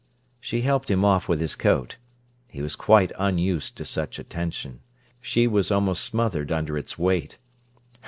She helped him off with his coat. He was quite unused to such attention. She was almost smothered under its weight.